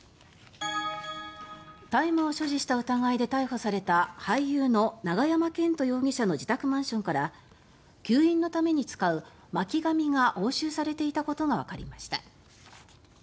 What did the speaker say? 大麻を所持した疑いで逮捕された俳優の永山絢斗容疑者の自宅マンションから吸引のために使う巻紙が押収されていたことがわかりました。